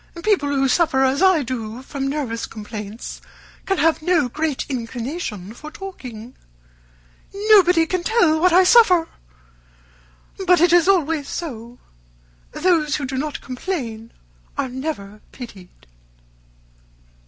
People who suffer as I do from nervous complaints can have no great inclination for talking. Nobody can tell what I suffer! But it is always so. Those who do not complain are never pitied."